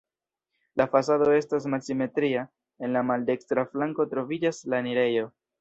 La fasado estas malsimetria, en la maldekstra flanko troviĝas la enirejo.